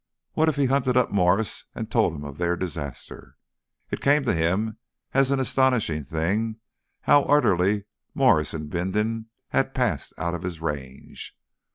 What if he hunted up Mwres and told him of their disaster? It came to him as an astonishing thing how utterly Mwres and Bindon had passed out of his range.